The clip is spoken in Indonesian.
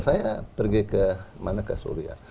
saya pergi ke suria